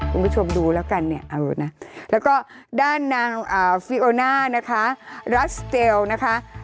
คุณผู้ชมดูแล้วกันเนี่ยเอานะแล้วก็ด้านนางฟิโอน่านะคะรัสเตลนะคะ